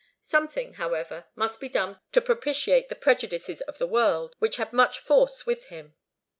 Something, however, must be done to propitiate the prejudices of the world, which had much force with him.